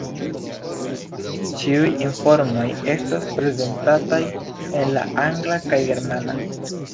Ĉiuj informoj estas prezentataj en la angla kaj germana.